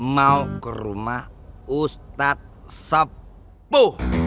mau ke rumah ustadz sapu